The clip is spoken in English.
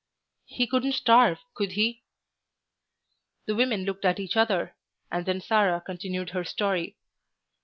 "He couldn't starve, could he?" The women looked at each other, and then Sarah continued her story.